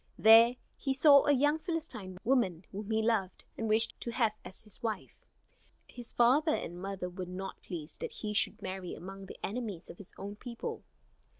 There he saw a young Philistine woman whom he loved, and wished to have as his wife. His father and mother were not pleased that he should marry among the enemies of his own people.